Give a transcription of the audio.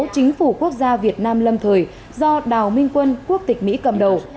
chính phủ quốc gia việt nam lâm thời do đào minh quân quốc tịch mỹ cầm đầu